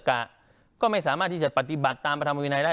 ก็ไม่สามารถที่จะปฏิบัติตามประธรรมวินัยได้